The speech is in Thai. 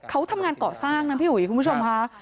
เขาทำงานก่อสร้างนะพี่อุ๋ยคุณผู้ชมค่ะ